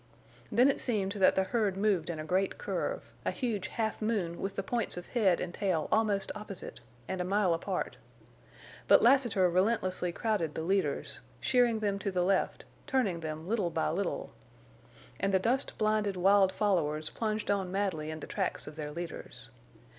Then it seemed that the herd moved in a great curve, a huge half moon with the points of head and tail almost opposite, and a mile apart. But Lassiter relentlessly crowded the leaders, sheering them to the left, turning them little by little. And the dust blinded wild followers plunged on madly in the tracks of their leaders.